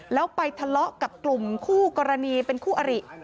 แล้วไปทะเลาะกับกลุ่มคู่กรณีเป็นคู่อริ